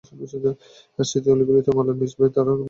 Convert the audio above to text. স্মৃতির অলিগলিতে মালার মিস ভাই, তোরা মালয়ালাম মুভি দেখিস না?